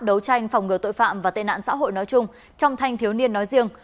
đấu tranh phòng ngừa tội phạm và tên nạn xã hội nói chung trong thanh thiếu niên nói riêng